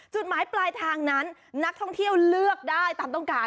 จุดหมายปลายทางนั้นนักท่องเที่ยวเลือกได้ตามต้องการ